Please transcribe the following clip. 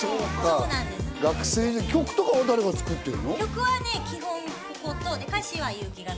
曲は誰が作ってるの？